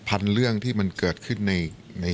สักพันเรื่องที่มันเกิดขึ้นในสังคมทุกวันนี้